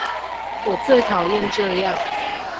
我最討厭這樣